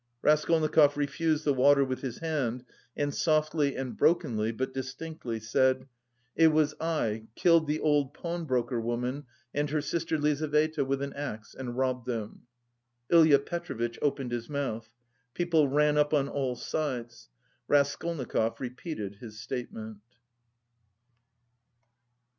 Raskolnikov refused the water with his hand, and softly and brokenly, but distinctly said: "It was I killed the old pawnbroker woman and her sister Lizaveta with an axe and robbed them." Ilya Petrovitch opened his mouth. People ran up on all sides. Raskolnikov repeated his statement.